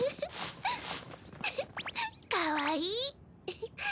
かわいい。